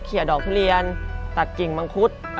เขียดอกทุเรียนตัดกิ่งมังคุด